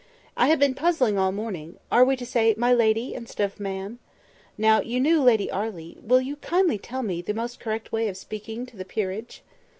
I have been puzzling all morning; and are we to say 'My Lady,' instead of 'Ma'am?' Now you knew Lady Arley—will you kindly tell me the most correct way of speaking to the peerage?"